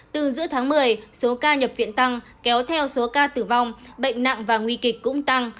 từ giữa tháng một mươi số ca nhập viện tăng kéo theo số ca tử vong bệnh nặng và nguy kịch cũng tăng